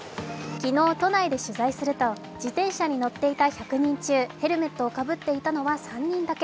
昨日、都内で取材すると自転車に乗っていた１００人中ヘルメットをかぶっていたのは３人だけ。